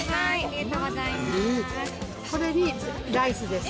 これにライスです。